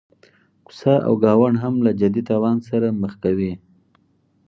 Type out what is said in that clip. کوڅه او ګاونډ هم له جدي تاوان سره مخ کوي.